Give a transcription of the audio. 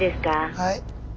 はい。